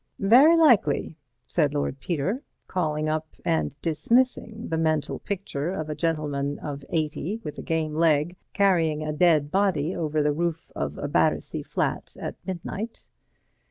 "Very likely," said Lord Peter, calling up and dismissing the mental picture of a gentleman of eighty with a game leg carrying a dead body over the roof of a Battersea flat at midnight.